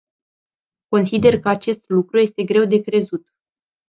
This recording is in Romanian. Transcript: Consider că acest lucru este greu de crezut.